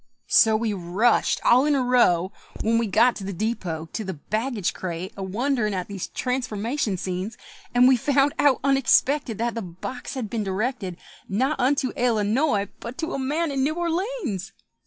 So we rushed all in a row, When we got to the depôt, To the baggage crate, a wonderin' at these transformation scenes; And we found out unexpected That the box had been directed Not unto Ellanoy, but to a man in New Or leéns!